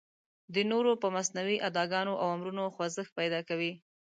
د نورو په مصنوعي اداګانو او امرونو خوځښت پیدا کوي.